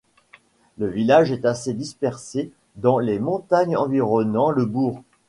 Le village est assez dispersé dans les montagnes environnant le bourg.